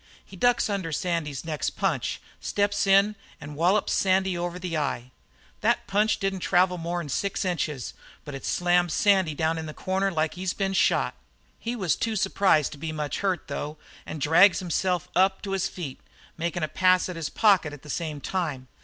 He ducks under Sandy's next punch, steps in, and wallops Sandy over the eye that punch didn't travel more'n six inches. But it slammed Sandy down in a corner like he's been shot. "He was too surprised to be much hurt, though, and drags himself up to his feet, makin' a pass at his pocket at the same time.